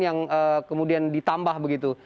yang kemudian ditambah begitu